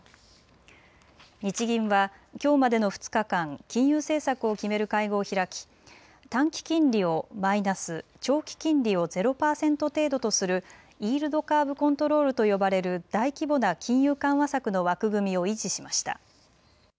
日銀はきょうまでの２日間、金融政策を決める会合を開き短期金利をマイナス、長期金利をゼロ％程度とするイールドカーブ・コントロールと呼ばれる大規模な金融緩和策の枠組みを維持しました。